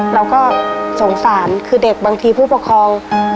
เราก็สงสารคือเด็กบางทีผู้ปกครอง